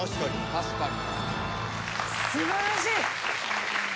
確かに。